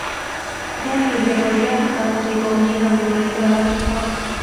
Ya libre volvió a su casa de Goñi donde le esperaba su esposa.